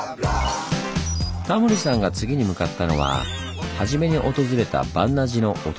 タモリさんが次に向かったのは初めに訪れた鑁阿寺のお隣。